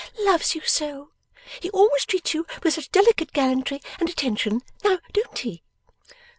' Loves you so. He always treats you with such delicate gallantry and attention. Now, don't he?